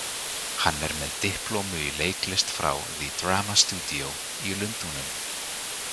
Hann er með diplómu í leiklist frá „The Drama Studio“ í Lundúnum.